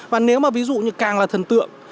và nếu mà ví dụ như càng là thần tượng